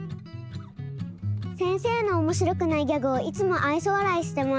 先生のおもしろくないギャグをいつもあいそわらいしてます。